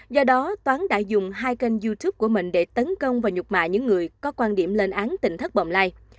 do đó toán đã dùng hai kênh youtube của mình để tấn công và nhục mạ những người có quan điểm lên án tình thất bồng lai